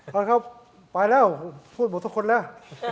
ครับไปแล้วพูดหมดทุกคนแล้ว